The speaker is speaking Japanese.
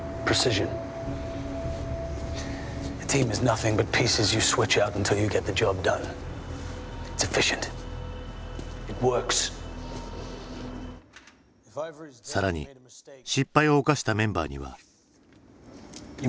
更に失敗を犯したメンバーには。